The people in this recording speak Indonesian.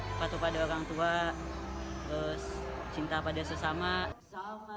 terus cinta pada orang tua terus cinta pada sesama